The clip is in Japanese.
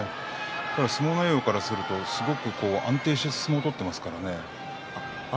ただ相撲内容からすると安定して相撲を取ってますからね。